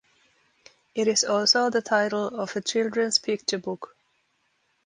It is also the title of a children's picture book.